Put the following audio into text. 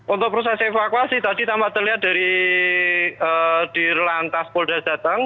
untuk proses evakuasi tadi tampak terlihat dari di lantas polda jateng